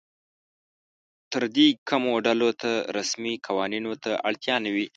تر دې کمو ډلو ته رسمي قوانینو ته اړتیا نه وي.